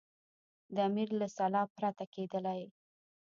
د امیر له سلا پرته کېدلې.